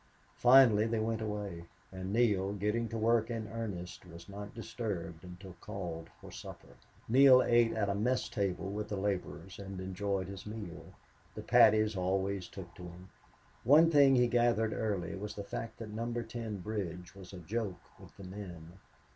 Finally they went away, and Neale, getting to work in earnest, was not disturbed until called for supper. Neale ate at a mess table with the laborers, and enjoyed his meal. The Paddies always took to him. One thing he gathered early was the fact that Number Ten bridge was a joke with the men.